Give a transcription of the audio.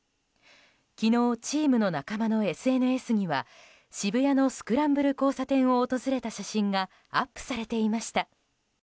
昨日、チームの仲間のＳＮＳには渋谷のスクランブル交差点を訪れた写真がアップされていました。